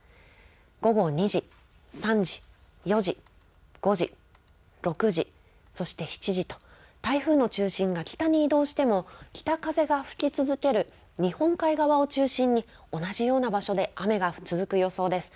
午後２時、３時、４時、５時、６時そして７時と台風の中心が北に移動しても北風が吹き続ける日本海側を中心に同じような場所で雨が続く予想です。